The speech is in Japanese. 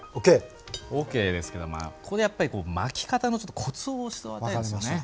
ＯＫですけどここでやっぱり巻き方のコツを教わりたいですよね。